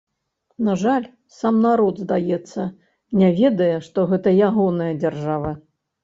На жаль, сам народ, здаецца, не ведае, што гэта ягоная дзяржава.